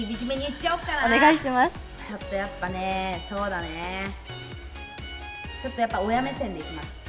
ちょっとやっぱね、そうだね、ちょっとやっぱ、親目線でいきます。